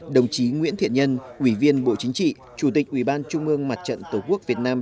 đồng chí nguyễn thiện nhân ủy viên bộ chính trị chủ tịch ủy ban trung ương mặt trận tổ quốc việt nam